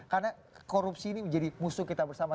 karena korupsi ini menjadi musuh kita bersama